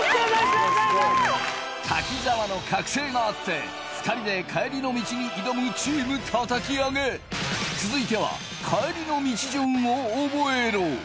滝沢の覚醒があって２人で帰りの道に挑むチーム叩き上げ続いては帰りの道順をオボエロ！